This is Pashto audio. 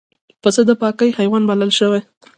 پسه د پاکۍ حیوان بلل شوی.